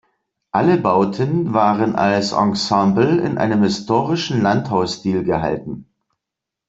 Alle Bauten waren als Ensemble in einem historistischen Landhausstil gehalten.